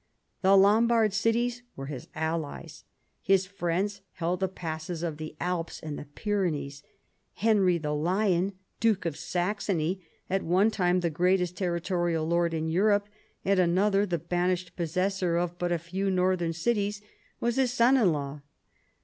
The Lombard cities were his allies, his friends held the passes of the Alps and the Pyrenees. Henry the Lion, duke of Saxony, at one time the greatest territorial lord in Europe, at another the banished possessor of but a few northern cities, was his son in law.